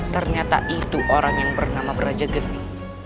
ternyata itu orang yang bernama braja gede